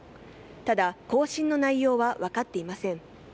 ただ、交信の内容は分かっていません。